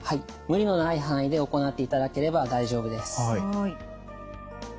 無理のない範囲で行っていただければ大丈夫です。